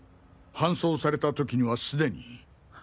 搬送された時にはすでに。